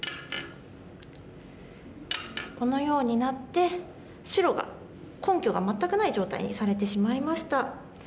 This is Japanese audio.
このようになって白が根拠が全くない状態にされてしまいました。